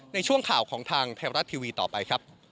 ในช่วงข่าวของทางไทยรัฐทีวีต่อไปครับ